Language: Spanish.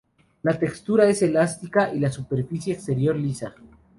La textura es elástica y la superficie exterior lisa.